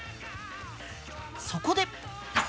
そこで。